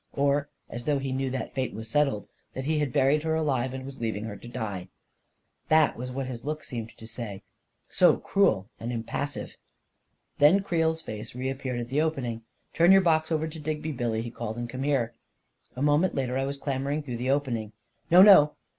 Or as though he knew that fate was settled — that he had buried her alive and was leaving her to die ! That was what his look seemed to say, so cruel and impassive ... Then Creel's face re appeared at the opening. " Turn your box over to Digby, Billy," he called, 44 and come here." A moment later, I was clambering through the opening. 44 No, no